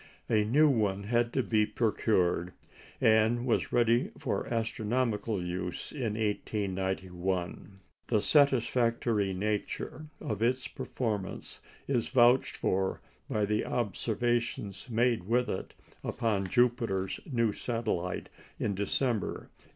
A new one had to be procured, and was ready for astronomical use in 1891. The satisfactory nature of its performance is vouched for by the observations made with it upon Jupiter's new satellite in December, 1892.